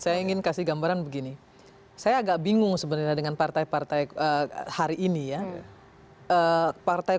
saya ingin kasih gambaran begini saya agak bingung sebenarnya dengan partai partai hari ini ya partai